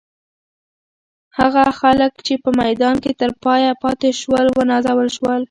هغه خلک چې په میدان کې تر پایه پاتې شول، ونازول شول.